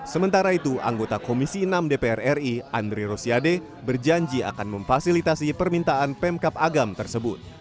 sementara itu anggota komisi enam dpr ri andri rosiade berjanji akan memfasilitasi permintaan pemkap agam tersebut